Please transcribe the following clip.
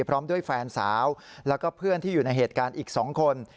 พร้อมด้วยแฟนสาวแล้วก็เพื่อนที่อยู่ในเหตุการณ์อีก๒คน